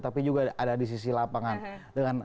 tapi juga ada di sisi lapangan